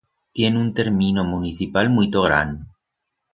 Tien un termino municipal muito gran.